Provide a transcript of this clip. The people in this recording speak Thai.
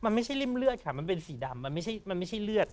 มันไม่ใช่ริ่มเลือดค่ะมันเป็นสีดำมันไม่ใช่เลือด